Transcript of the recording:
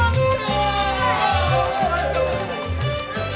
aduh ah ah